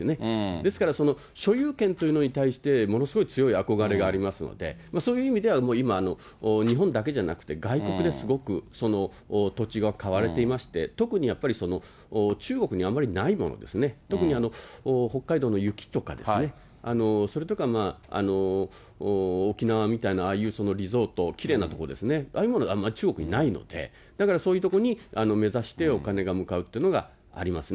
ですから所有権というのに対して、ものすごい強い憧れがありますので、そういう意味ではもう今、日本だけじゃなくて、外国ですごく、その土地が買われていまして、特にやっぱりその、中国にあまりないものですね、特に北海道の雪とかですね、それとか、沖縄みたいな、ああいうリゾート、きれいな所ですね、ああいうものが中国にないので、だからそういう所に目指して、お金が向かうっていうのがありますね。